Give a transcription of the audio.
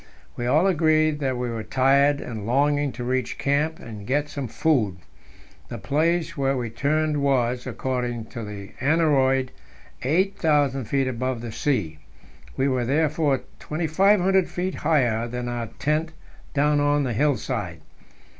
We all agreed that we were tired, and longing to reach camp and get some food. The place where we turned was, according to the aneroid, 8,000 feet above the sea; we were therefore 2,500 feet higher than our tent down on the hill side.